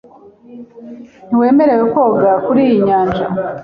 Ntiwemerewe koga kuriyi nyanja .